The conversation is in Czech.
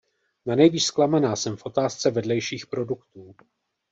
Nanejvýš zklamaná jsem v otázce vedlejších produktů.